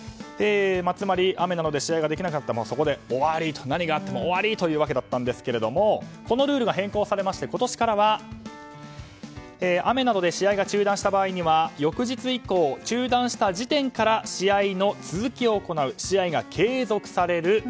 つまり、雨などで試合ができなかったら何があっても終わりというわけだったんですがこのルールが変更されまして今年からは雨などで試合が中断した場合には翌日以降中断した時点から試合の続きを行う試合が継続される。